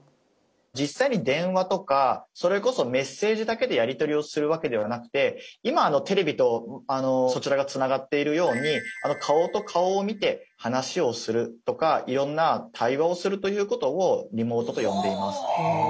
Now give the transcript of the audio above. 実際に電話とかそれこそメッセージだけでやり取りをするわけではなくて今テレビとそちらがつながっているように顔と顔を見て話をするとかいろんな対話をするということをリモートと呼んでいます。